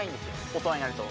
大人になると。